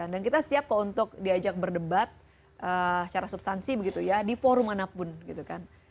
dan kita siap untuk diajak berdebat secara substansi di forum mana pun